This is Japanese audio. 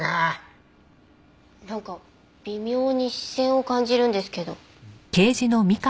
なんか微妙に視線を感じるんですけど。